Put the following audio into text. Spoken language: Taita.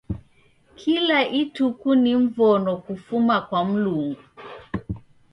Kila ituku ni mvono kufuma kwa Mlungu.